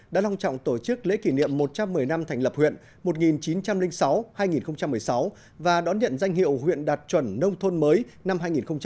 đã long trọng tổ chức lễ kỷ niệm một trăm một mươi năm thành lập huyện một nghìn chín trăm linh sáu hai nghìn một mươi sáu và đón nhận danh hiệu huyện đạt chuẩn nông thôn mới năm hai nghìn một mươi tám